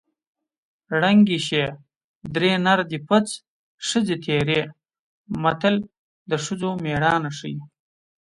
ړنګې شې درې نر دې پڅ ښځې تېرې متل د ښځو مېړانه ښيي